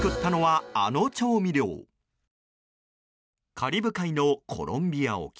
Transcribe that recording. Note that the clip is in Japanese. カリブ海のコロンビア沖。